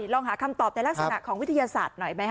ลองหาคำตอบในลักษณะของวิทยาศาสตร์หน่อยไหมค